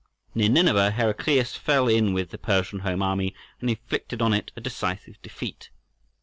Near Nineveh Heraclius fell in with the Persian home army and inflicted on it a decisive defeat.